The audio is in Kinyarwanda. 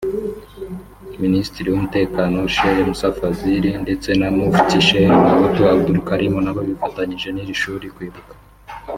Minisitiri w'Umutekano Sheikh Musa Fadhili ndetse na Mufti Sheikh Gahutu Abdulkarim nabo bifatanyije n'iri shuri kwibuka